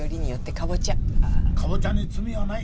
カボチャに罪はない。